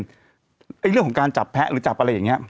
เรื่องของการจับแพ้หรือจับอะไรอย่างนี้